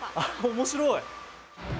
面白い！